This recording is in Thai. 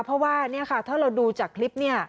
เพราะว่าเนี่ยค่ะถ้าเราดูจากคลิปเนี่ย